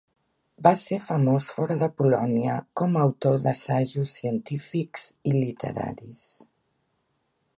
Va ser famós fora de Polònia com a autor de assajos científics i literaris.